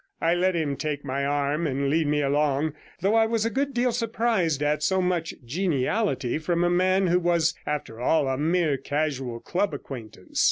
I let him take my arm and lead me along, though I was a good deal surprised at so much geniality from a man who was, after all, a mere casual club acquaintance.